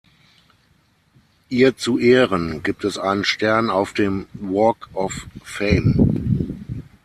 Ihr zu Ehren gibt es einen Stern auf dem Walk of Fame.